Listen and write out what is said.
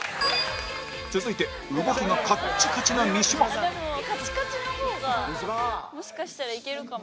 続いて動きがカッチカチな三島でもカチカチの方がもしかしたらいけるかも。